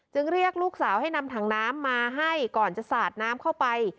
เรียกลูกสาวให้นำถังน้ำมาให้ก่อนจะสาดน้ำเข้าไป